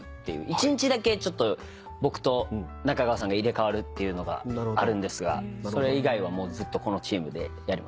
一日だけ僕と中川さんが入れかわるっていうのがあるんですがそれ以外はずっとこのチームでやります。